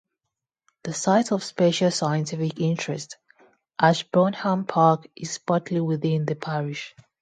The Site of Special Scientific Interest Ashburnham Park is partly within the parish.